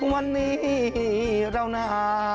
วันนี้เราหนา